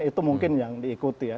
itu mungkin yang diikuti ya